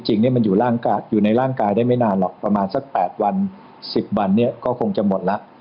จริงมันอยู่ในร่างกายได้ไม่นานหรอกประมาณสัก๘วัน๑๐วันเนี่ยก็คงจะหมดแล้ว